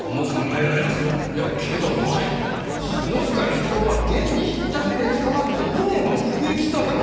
いやけどお前篠塚悦雄は現にひったくりで捕まって２年も服役したんだろ？